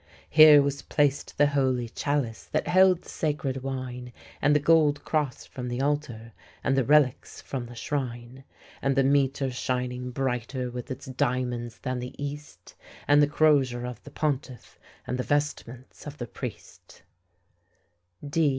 Here was placed the holy chalice that held the sacred wine, And the gold cross from the altar, and the relics from the shrine, And the mitre shining brighter with its diamonds than the east, And the crozier of the pontiff, and the vestments of the priest.